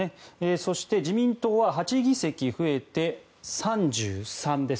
そして、自民党は８議席増えて３３です。